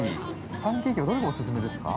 パンケーキはどれがお勧めですか。